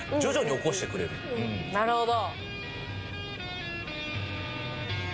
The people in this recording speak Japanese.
なるほど！